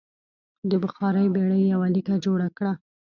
د بخار بېړۍ یوه لیکه جوړه کړه.